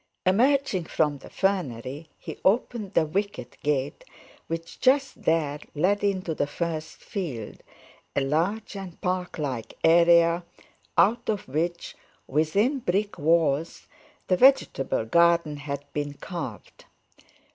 Emerging from the fernery, he opened the wicket gate, which just there led into the first field, a large and park like area, out of which, within brick walls, the vegetable garden had been carved.